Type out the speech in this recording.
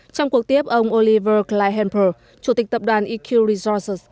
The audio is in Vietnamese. trong cuộc tiếp ông oliver kleihemper chủ tịch tập đoàn eq resources